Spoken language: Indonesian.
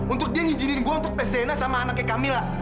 untuk dia nginjinin gue untuk tes dna sama anaknya kamila